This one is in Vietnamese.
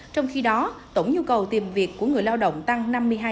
trong khi đó tổng nhu cầu tìm việc của người lao động tăng năm mươi hai